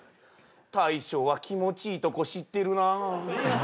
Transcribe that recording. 大将は気持ちいいとこ知ってるなぁ。